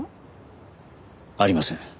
ありません。